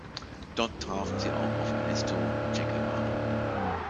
Dort trafen sie auch auf Ernesto „Che“ Guevara.